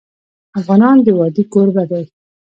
افغانستان د وادي کوربه دی.